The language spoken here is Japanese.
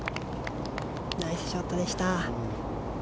ナイスショットでした。